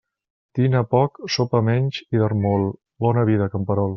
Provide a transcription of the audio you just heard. Dina poc, sopa menys i dorm molt, bona vida, camperol.